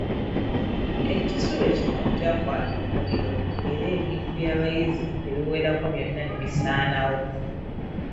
Ekisulo kino kyakwata omuliro era ebintu by'abayizi ebiwerako byonna ne bisaanawo.